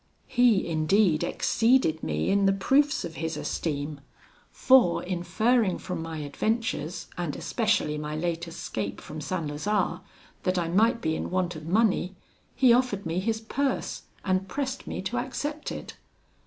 "He, indeed, exceeded me in the proofs of his esteem; for, inferring from my adventures, and especially my late escape from St. Lazare, that I might be in want of money, he offered me his purse, and pressed me to accept it.